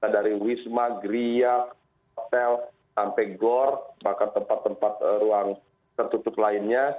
dari wisma griak hotel sampai gor bahkan tempat tempat ruang tertutup lainnya